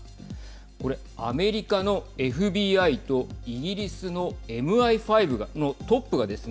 これ、アメリカのＦＢＩとイギリスのＭＩ５のトップがです